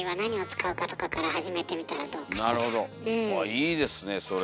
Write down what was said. いいですねえそれは。